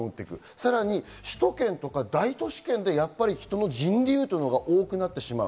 さらに首都圏や大都市圏で人流が多くなってしまう。